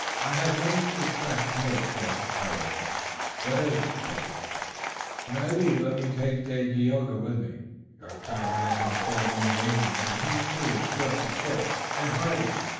"I have one request to make," said Tayoga. "What is it?" "When I leave let me take Dagaeoga with me. We are comrades who have shared many dangers, and he, too, is swift of foot and hardy.